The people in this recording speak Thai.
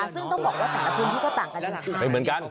ซึ่งต้องบอกว่าแต่ละทุนที่ก็ต่างกันจริง